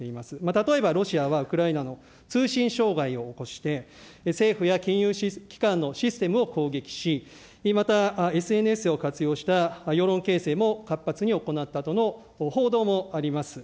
例えばロシアはウクライナの通信障害を起こして、政府や金融機関のシステムを攻撃し、またＳＮＳを活用した世論形成も活発に行ったとの報道もあります。